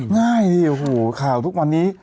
ง่ายสิโอ้โหข่าวทุกวันนี้